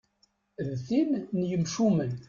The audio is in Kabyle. D tin n yemcumen.